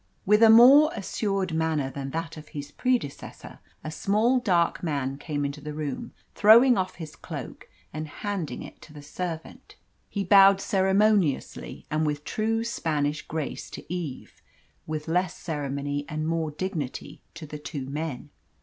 With a more assured manner than that of his predecessor, a small, dark man came into the room, throwing off his cloak and handing it to the servant. He bowed ceremoniously and with true Spanish grace to Eve, with less ceremony and more dignity to the two men.